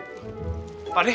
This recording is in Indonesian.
waalaikumsalam pak dek